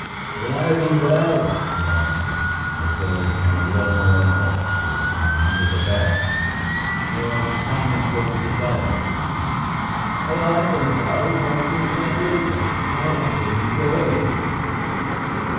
"Alive and well," he answered, as though from a long way off or from under the bed, though I was standing close beside him. "Alive and well; but of that later.... How are things going?"